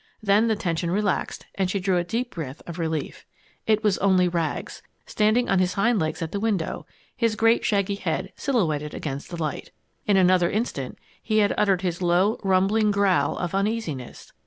Then the tension relaxed and she drew a deep breath of relief. It was only Rags, standing on his hind legs at the window, his great shaggy head silhouetted against the light. In another instant he had uttered his low, rumbling growl of uneasiness.